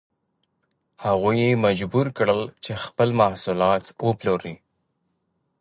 هغوی یې مجبور کړل چې خپل محصولات وپلوري.